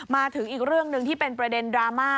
มาถึงอีกเรื่องหนึ่งที่เป็นประเด็นดราม่า